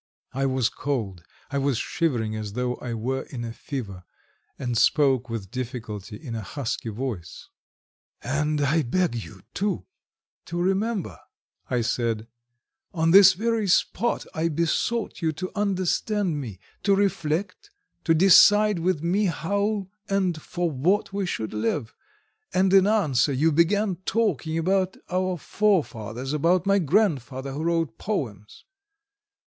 I was cold, I was shivering as though I were in a fever, and spoke with difficulty in a husky voice. "And I beg you, too, to remember," I said, "on this very spot I besought you to understand me, to reflect, to decide with me how and for what we should live, and in answer you began talking about our forefathers, about my grandfather who wrote poems.